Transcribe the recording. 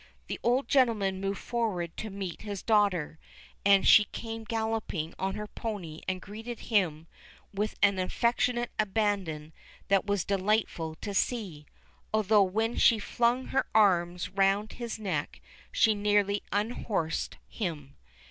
The old gentleman moved forward to meet his daughter, and she came galloping on her pony and greeted him with an affectionate abandon that was delightful to see, although when she flung her arms round his neck she nearly unhorsed him.